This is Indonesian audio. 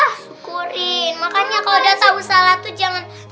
syukurin makanya kalau udah tahu salah tuh jangan